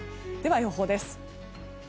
予報です。